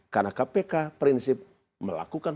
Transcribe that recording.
karena kpk prinsip melakukan